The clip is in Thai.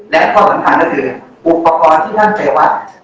และข้อสำคัญก็คืออุปกรณ์ที่มั่นใจว่า